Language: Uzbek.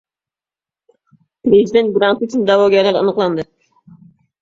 Prezident granti uchun da’vogarlar aniqlandi